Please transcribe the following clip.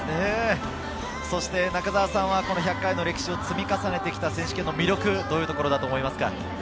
そして中澤さんはこの１００回の歴史を積み重ねてきた選手権の魅力、どんなところだと思いますか？